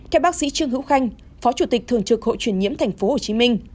các bác sĩ trương hữu khanh phó chủ tịch thường trực hội truyền nhiễm tp hcm